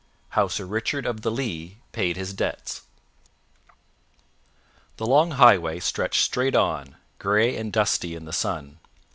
How Sir Richard of the Lea Paid His Debts THE LONG HIGHWAY stretched straight on, gray and dusty in the sun.